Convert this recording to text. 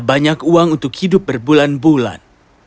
banyak uang untuk hidup berbulan bulan